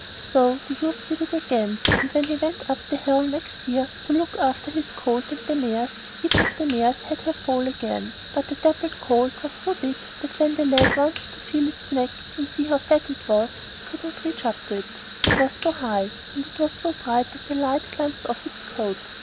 So the youth did it again, and when he went up on the hill next year to look after his colt and the mares, each of the mares had her foal again; but the dappled colt was so big that when the lad wanted to feel its neck to see how fat it was, he could not reach up to it, it was so high, and it was so bright that the light glanced off its coat.